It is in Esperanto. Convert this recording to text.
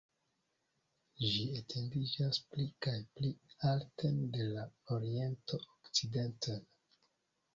Ĝi etendiĝas pli kaj pli alten de la oriento okcidenten.